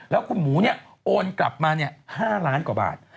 แล้วคุณหมูโอนกลับมา๕ล้านกว่าบาท